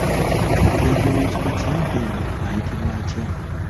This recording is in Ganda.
Jjajja w’ekika ky’empeewo ayitibwa atya?